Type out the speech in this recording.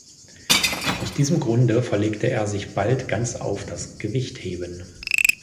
Aus diesem Grunde verlegte er sich bald ganz auf das Gewichtheben.